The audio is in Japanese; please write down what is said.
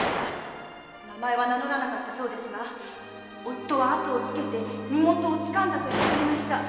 名前は名乗らなかったそうですが夫は後をつけて身もとをつかんだと言っておりました。